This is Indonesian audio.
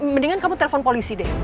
mendingan kamu telpon polisi deh